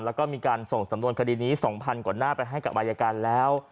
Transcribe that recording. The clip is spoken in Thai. แล้วก็มีการส่งสำนวนคดีนี้๒๐๐กว่าหน้าไปให้กับอายการแล้ว